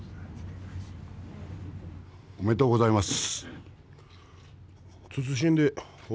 おめでとうございます。